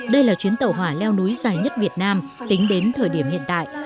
đây là chuyến tàu hỏa leo núi dài nhất việt nam tính đến thời điểm hiện tại